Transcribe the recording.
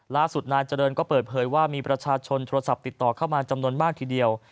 ล่าสุดนายเจริญก็เปิดเผยว่ามีประชาชนโทรศัพท์ติดต่อเข้ามาจำนวนมากทีเดียว